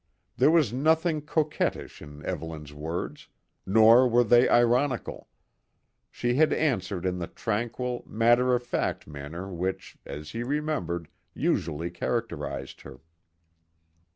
There was nothing coquettish in Evelyn's words, nor were they ironical. She had answered in the tranquil, matter of fact manner which, as he remembered, usually characterised her.